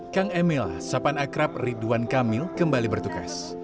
kang emil sapan akrab ridwan kamil kembali bertugas